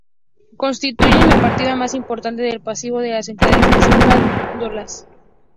Constituyen la partida más importante del pasivo de las entidades aseguradoras.